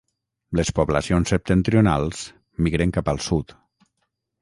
Les poblacions septentrionals migren cap al sud.